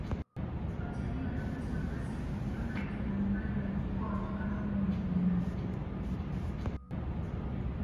watalii wanapata nafasi ya kuviona vitu mbalimbali walivyokuwa wakiona kwenye runinga